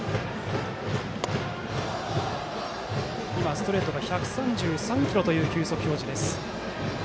ストレートが１３３キロという球速表示。